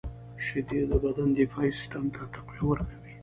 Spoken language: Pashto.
• شیدې د بدن دفاعي سیسټم ته تقویه ورکوي.